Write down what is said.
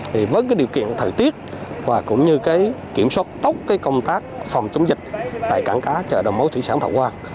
thì với điều kiện thời tiết và cũng như kiểm soát tốt công tác phòng chống dịch tại cảng cá chợ đồng máu thủy sản thảo quang